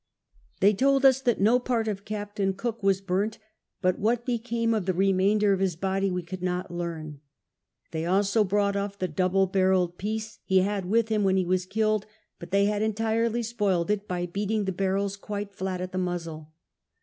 They told us that no part of Captain Cook was burnt, but what l>ecame of the remainder of his body we could not learn ; they also brought off the double barrelled piece he had with him when he was killed, but they had entirely spoiled it by beating the barrels quite flat at the muzzle.